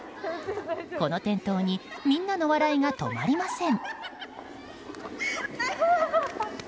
この転倒にみんなの笑いが止まりません。